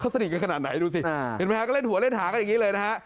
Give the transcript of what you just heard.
สนิทกันขนาดไหนดูสิเห็นไหมฮะก็เล่นหัวเล่นหากันอย่างนี้เลยนะฮะ